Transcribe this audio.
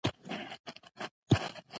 یو ګیدړ د شپې په ښکار وو راوتلی